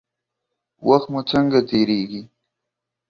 وخت مو څنګه تیریږي؟